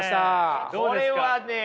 これはねえ